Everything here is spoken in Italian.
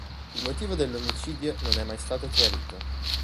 Il motivo dell'omicidio non è mai stato chiarito.